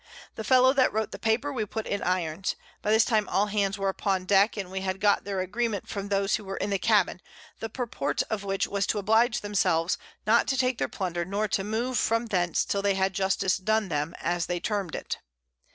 The Fellow that wrote the Paper we put in Irons; by this time all Hands were upon Deck, and we had got their Agreement from those who were in the Cabin, the Purport of which was to oblige themselves, not to take their Plunder, nor to move from thence till they had Justice done them, as they term'd it.